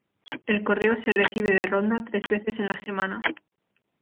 El correo se recibe de Ronda tres veces en la semana.